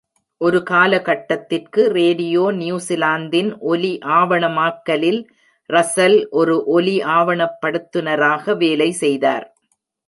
ஒரு காலகட்டத்திற்கு, ரேடியோ நியூஸிலாந்தின் ஒலி ஆவணமாக்கலில் ரசல் ஒரு ஒலி ஆவணப்படுத்துநராக வேலை செய்தார்.